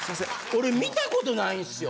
俺観たことないんすよ。